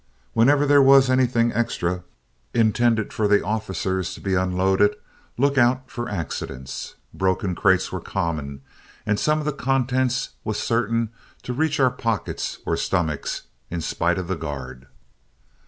Whenever there was anything extra, intended for the officers, to be unloaded, look out for accidents. Broken crates were common, and some of the contents was certain to reach our pockets or stomachs, in spite of the guard.